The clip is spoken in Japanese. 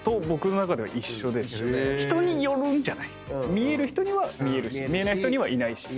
見える人には見えるし見えない人にはいないし。